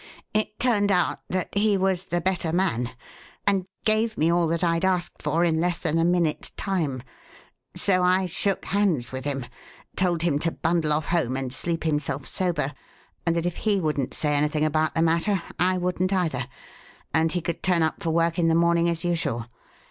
It turned out that he was the better man, and gave me all that I'd asked for in less than a minute's time; so I shook hands with him, told him to bundle off home and sleep himself sober, and that if he wouldn't say anything about the matter I wouldn't either, and he could turn up for work in the morning as usual.